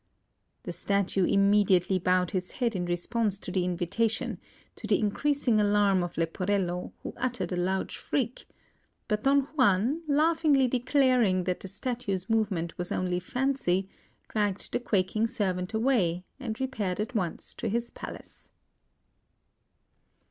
The Statue immediately bowed its head in response to the invitation, to the increasing alarm of Leporello, who uttered a loud shriek; but Don Juan, laughingly declaring that the Statue's movement was only fancy, dragged the quaking servant away, and repaired at once to his palace.